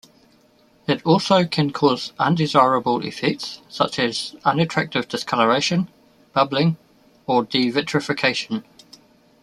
It also can cause undesirable effects such as unattractive discoloration, bubbling, or devitrification.